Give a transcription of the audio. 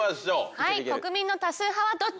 はい国民の多数派はどっち？